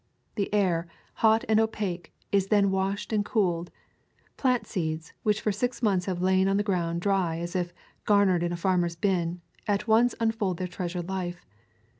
The air, hot and opaque, is then washed and cooled. Plant seeds, which for six months have lain on the ground dry as if garnered in a farmer's bin, at once unfold their treasured life.